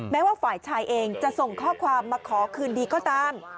แม้ว่าฝ่ายชายเองจะส่งข้อความมาขอคืนดีก็ตาม